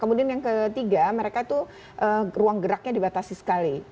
kemudian yang ketiga mereka itu ruang geraknya dibatasi sekali